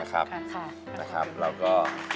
นะครับนะครับเราก็